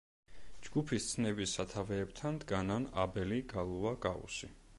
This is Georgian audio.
ჯგუფის ცნების სათავეებთან დგანან აბელი, გალუა, გაუსი.